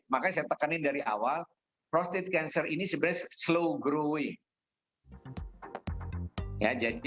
makanya saya tekanin dari awal prostat cancer ini sebenarnya slow growing